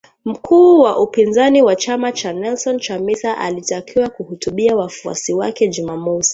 mkuu wa upinzani wa chama cha Nelson Chamisa alitakiwa kuhutubia wafuasi wake Jumamosi